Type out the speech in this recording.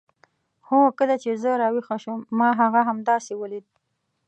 هو کله چې زه راویښه شوم ما هغه همداسې ولید.